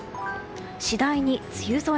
次第に梅雨空。